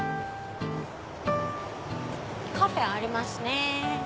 カフェありますね。